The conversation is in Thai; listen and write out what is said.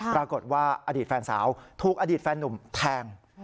ปรากฏว่าอดีตแฟนสาวถูกอดีตแฟนนุ่มแทง